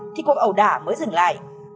thì cuộc ẩu đả mới dừng lại